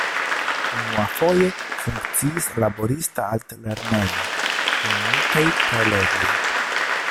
Unuafoje funkciis laborista altlernejo, kun multaj prelegoj.